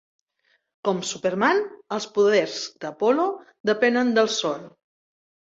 Com Superman, els poders d'Apollo depenen del sol.